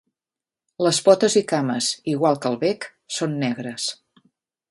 Les potes i cames, igual que el bec, són negres.